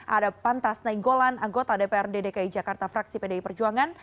ada pantas naik golan anggota dpr dki jakarta fraksi pdi perjuangan